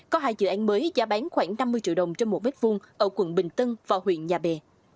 có hai dự án mới giá bán khoảng năm mươi triệu đồng trên một mét vuông ở quận bình tân và huyện nhà bè